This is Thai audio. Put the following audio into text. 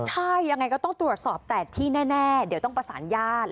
ใช่ยังไงก็ต้องตรวจสอบแต่ที่แน่เดี๋ยวต้องประสานญาติ